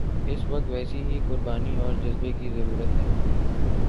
اس وقت ویسی ہی قربانی اور جذبے کی ضرورت ہے